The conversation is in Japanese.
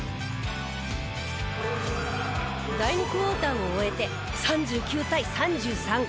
第２クォーターを終えて３９対３３。